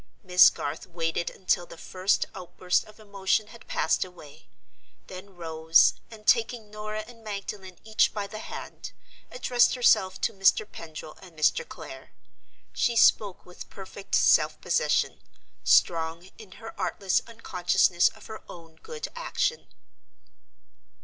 Miss Garth waited until the first outburst of emotion had passed away; then rose, and, taking Norah and Magdalen each by the hand, addressed herself to Mr. Pendril and Mr. Clare. She spoke with perfect self possession; strong in her artless unconsciousness of her own good action.